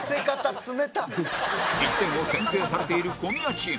１点を先制されている小宮チーム